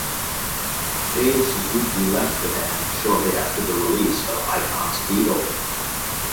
Dave Suzuki left the band, shortly after the release of "Icons of Evil".